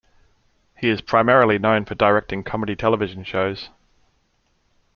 He is primarily known for directing comedy television shows.